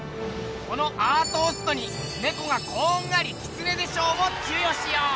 このアートーストに「ネコがこんがりキツネで賞」を授与しよう！